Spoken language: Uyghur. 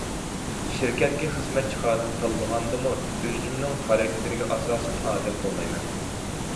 شىركەتكە خىزمەتچى خادىم تاللىغاندىمۇ ئۆزۈمنىڭ خاراكتېرىگە ئاساسەن ئادەم تاللايمەن.